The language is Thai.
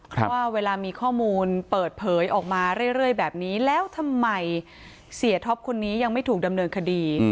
ว่าเวลามีข้อมูลเปิดเผยออกมาเรื่อยแบบนี้แล้วทำไมเสียท็อปคนนี้ยังไม่ถูกดำเนินคดี